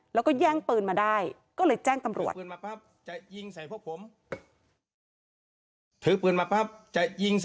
แล้วก็แย่งปืนมาได้ก็เลยแจ้งตำรวจ